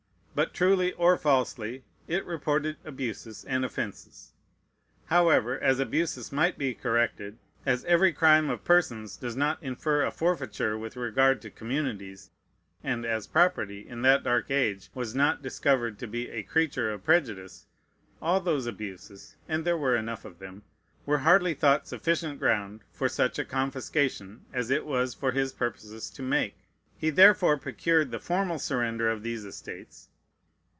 But truly or falsely, it reported abuses and offences. However, as abuses might be corrected, as every crime of persons does not infer a forfeiture with regard to communities, and as property, in that dark age, was not discovered to be a creature of prejudice, all those abuses (and there were enough of them) were hardly thought sufficient ground for such a confiscation as it was for his purposes to make. He therefore procured the formal surrender of these estates.